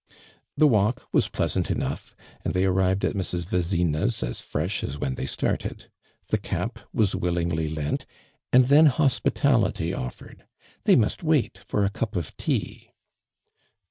The walk was pleasant enough, anil they arrived at Mrs. Vezina's as fresh as when they started. The cap was willingly lent and then hospitality ottiered. They must wait for a cup of tea.